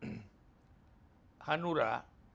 yang saya pesankan kepada hanura